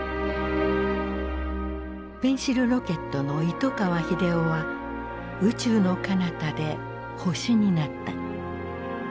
ペンシルロケットの糸川英夫は宇宙のかなたで星になった。